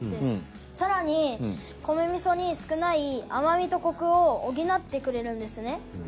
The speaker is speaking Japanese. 更に米味噌に少ない甘みとコクを補ってくれるんですね。